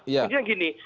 kunci yang gini